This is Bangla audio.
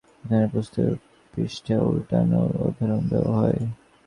একখানি পুস্তকের পৃষ্ঠা উলটানোর উদাহরণ দেওয়া হয়।